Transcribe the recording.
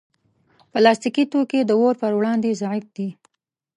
پلاستيکي توکي د اور پر وړاندې ضعیف دي.